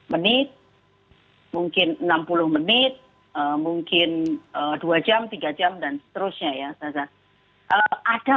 menit mungkin enam puluh menit mungkin dua jam tiga jam dan seterusnya ya ada